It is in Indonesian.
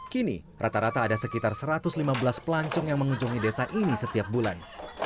kini rata rata ada sekitar satu ratus lima belas pelancong yang mengunjungi desa ini setiap bulan